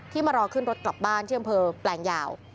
ที่มารอขึ้นรถกลับบ้านที่บแปลงยาว